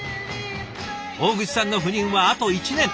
大串さんの赴任はあと１年。